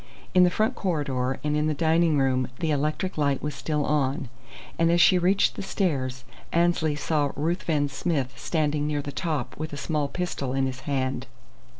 In the front corridor and in the dining room the electric light was still on; and as she reached the stairs Annesley saw Ruthven Smith standing near the top with a small pistol in his hand.